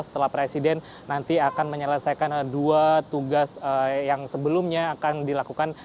setelah presiden nanti akan menyelesaikan dua tugas yang sebelumnya akan dilakukan